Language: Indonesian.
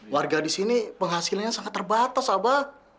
warga disini penghasilannya sangat terbatas abah